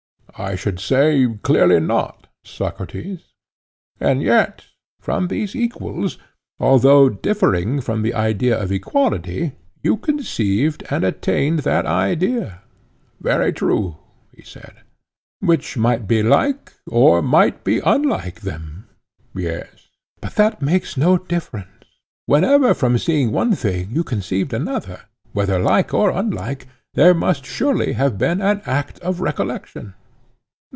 I should say, clearly not, Socrates. And yet from these equals, although differing from the idea of equality, you conceived and attained that idea? Very true, he said. Which might be like, or might be unlike them? Yes. But that makes no difference; whenever from seeing one thing you conceived another, whether like or unlike, there must surely have been an act of recollection?